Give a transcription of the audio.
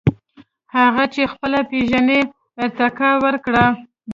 • هغه چې خپله پېژنې، ارتقاء ورکړه.